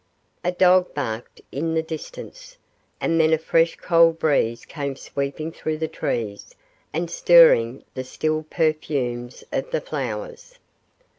A dog barked in the distance, and then a fresh cold breeze came sweeping through the trees and stirring the still perfumes of the flowers.